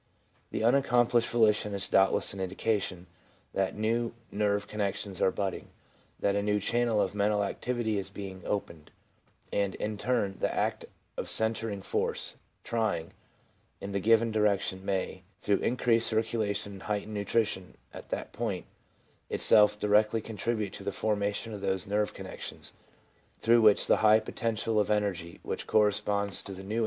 The unaccomplished volition is doubtless an indication that new nerve connections are budding, that a new channel of mental activity is being opened ; and, in turn, the act of centering force (trying) in the given direction may, through increased circulation and heightened nutrition at that point, itself directly contribute to the formation of those nerve connections, through which the high potential of energy which corresponds to the new insight 1 North, British Review, Vol.